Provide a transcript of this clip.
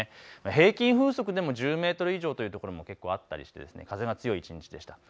平均風速でも１０メートル以上という所も結構あったりして風が強い一日でした。